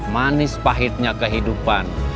manis pahitnya kehidupan